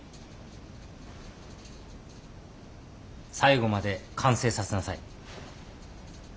最後まで完成させなさい。